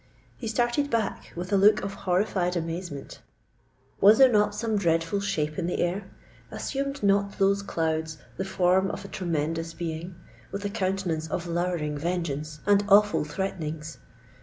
He started back with a look of horrified amazement: was there not some dreadful shape in the air?—assumed not those clouds the form of a tremendous being, with a countenance of lowering vengeance and awful threatenings?